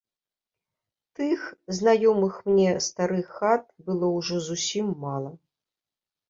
Тых, знаёмых мне, старых хат было ўжо зусім мала.